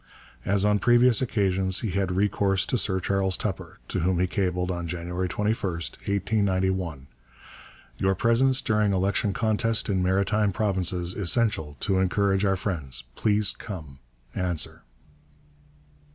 As on previous occasions, he had recourse to Sir Charles Tupper, to whom he cabled on January 21, 1891: 'Your presence during election contest in Maritime Provinces essential to encourage our friends. Please come. Answer.'